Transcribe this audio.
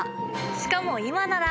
しかも今なら！